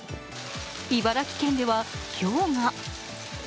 茨城県ではひょうが。